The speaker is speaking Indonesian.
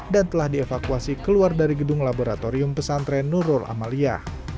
dan telah dievakuasi keluar dari gedung laboratorium pesantren nurul amalia